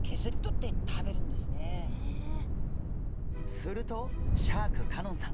するとシャーク香音さん